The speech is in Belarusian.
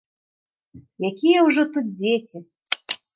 Якія ўжо тут дзеці?